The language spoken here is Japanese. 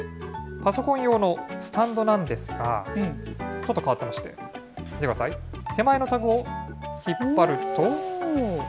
パソコン用のスタンドなんですが、ちょっと変わってまして、見てください、手前のタグを引っ張ると。